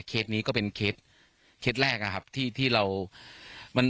เคล็ดนี้ก็เป็นเคล็ดแรกนะครับที่เรา